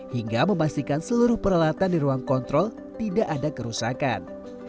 hingga memastikan seluruh peralatan di ruang kontrol tidak ada kerusakan